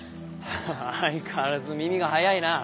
相変わらず耳が早いな。